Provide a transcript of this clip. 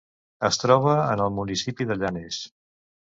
Es troba en el municipi de Llanes.